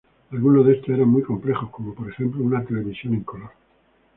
Alguno de estos eran muy complejos, como por ejemplo una televisión en color.